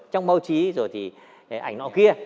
trong báo chí rồi thì ảnh nọ kia